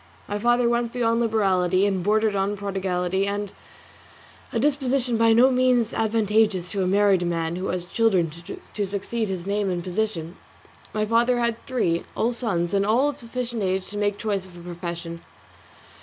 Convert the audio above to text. My father went beyond liberality and bordered on prodigality, a disposition by no means advantageous to a married man who has children to succeed to his name and position. My father had three, all sons, and all of sufficient age to make choice of a profession.